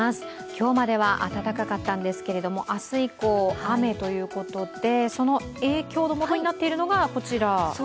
今日までは暖かかったんですが明日以降雨ということで、その影響のもとになっているのがこちら。